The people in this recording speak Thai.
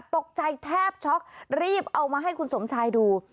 ตกใจแทบช็อกรีบเอามาให้คุณสมชายดู